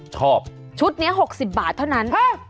ชอบชุดนี้๖๐บาทเท่านั้น